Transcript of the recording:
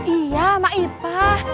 iya emak ipah